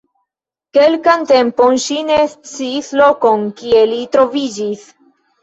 Kelkan tempon ŝi ne sciis lokon, kie li troviĝis.